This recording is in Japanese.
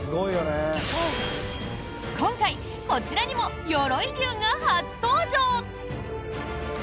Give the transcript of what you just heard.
今回、こちらにも鎧竜が初登場！